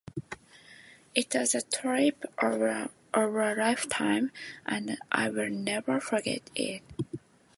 It was a trip of a lifetime and I will never forget it.